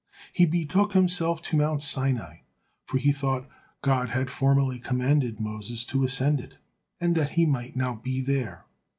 He betook himself to mount Sinai, for he thought God had formerly commanded Moses to ascend it, and that he might now be there.